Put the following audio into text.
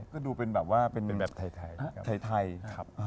ก็ดูเป็นแบบไทยครับ